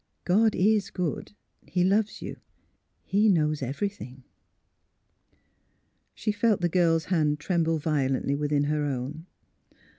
God is good. He loves you. He — knows everything. '' She felt the girl's hand tremble violently within her own.